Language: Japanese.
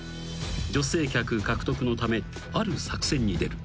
［女性客獲得のためある作戦に出る。